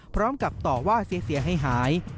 พร้อมกับต่อว่าเสียเสียให้หาย